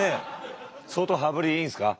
相当羽振りいいんですか？